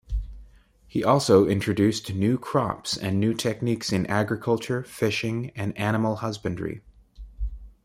He also introduced new crops and new techniques in agriculture, fishing, and animal husbandry.